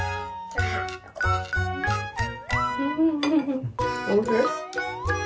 フフフおいしい？